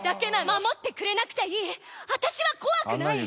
守ってくれなくていい私は怖くない！